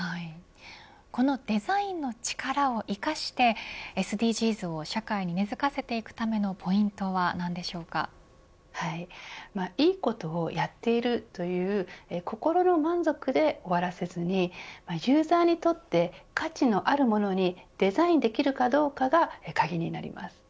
このデザインの力を生かしてＳＤＧｓを社会に根づかせていくためのいいことをやっているという心の満足で終わらせずにユーザーにとって価値のあるものにデザインできるかどうかが鍵になります。